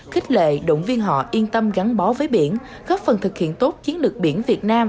khích lệ động viên họ yên tâm gắn bó với biển góp phần thực hiện tốt chiến lược biển việt nam